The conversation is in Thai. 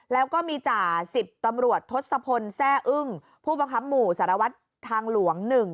แล้วก็มีจ่า๑๐ตำรวจทศพลแซ่อึ้งผู้บังคับหมู่สารวัตรทางหลวง๑